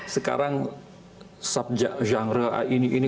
sekarang subjek genre ini ini